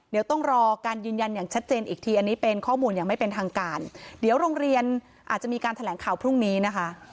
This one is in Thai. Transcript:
เดี๋ยวต้องรอการยืนยันอย่างชัดเจนอีกทีอันนี้เป็นข้อมูลอย่างไม่เป็นทางการเดี๋ยวโรงเรียนอาจจะมีการแถลงข่าวพรุ่งนี้นะคะ